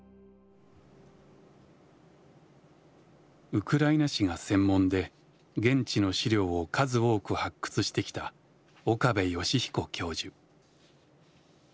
ウクライナ史が専門で現地の資料を数多く発掘してきた岡部芳彦教授。